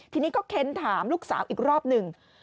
ทีนี้ก็เค้นถามลูกสาวอีกรอบหนึ่ง